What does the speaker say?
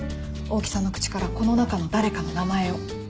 大木さんの口からこの中の誰かの名前を。